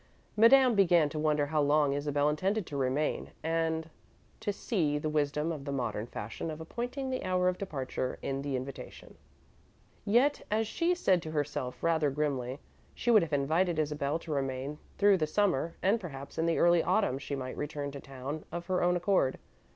Madame began to wonder how long Isabel intended to remain and to see the wisdom of the modern fashion of appointing the hour of departure in the invitation. Yet, as she said to herself rather grimly, she would have invited Isabel to remain through the Summer, and perhaps, in the early Autumn she might return to town of her own accord.